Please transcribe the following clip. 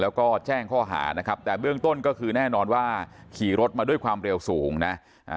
แล้วก็แจ้งข้อหานะครับแต่เบื้องต้นก็คือแน่นอนว่าขี่รถมาด้วยความเร็วสูงนะ